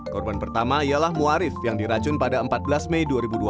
korban pertama ialah muarif ⁇ yang diracun pada empat belas mei dua ribu dua puluh